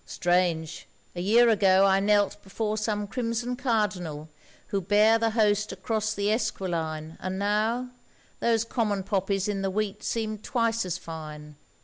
strange, a year ago I knelt before some crimson Cardinal Who bare the Host across the Esquiline, And now—those common poppies in the wheat seem twice as fine.